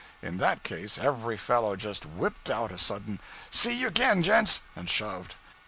In that case, every fellow just whipped out a sudden, 'See you again, gents!' and shoved.